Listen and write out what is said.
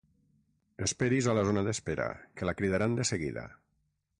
Esperi's a la zona d'espera, que la cridaran de seguida.